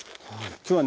今日はね